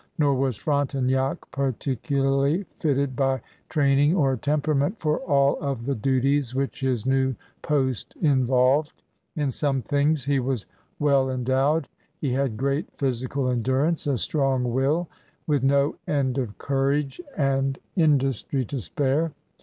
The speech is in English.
Nor was Frontenac particularly fitted by training or temperament for all of the duties which his new post involved. In some things he was well endowed; he had great physical endurance, a strong wiU, with no end of courage, and industry 82 CRUSADERS OF NEW FRANCE to spare.